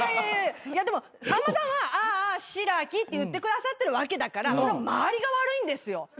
いやでもさんまさんはあぁあぁしらきって言ってくださってるわけだからその周りが悪いんですよ。